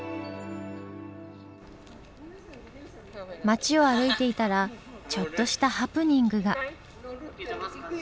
街を歩いていたらちょっとしたハプニングが。